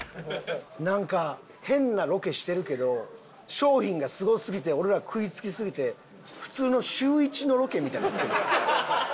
なんか変なロケしてるけど商品がすごすぎて俺ら食いつきすぎて普通の『シューイチ』のロケみたいになってるよ。